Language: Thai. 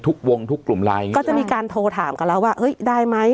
ทุกวงทุกกลุ่มไลน์อย่างนี้ก็จะมีการโทรถามกันแล้วว่าเฮ้ยได้ไหม